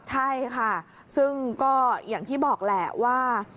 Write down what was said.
ใช่ค่ะซึ่งก็อย่างที่บอกแหละว่า